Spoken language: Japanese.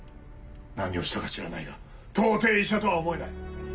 何をしたか知らないが到底医者とは思えない！